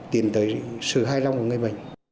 tiến tới sự hài lòng của người bệnh